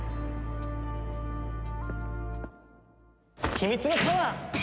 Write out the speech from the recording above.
秘密のパワー！